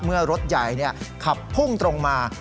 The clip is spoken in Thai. เมื่อรถใหญ่ขับพุ่งตรงมา